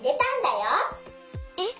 えっ？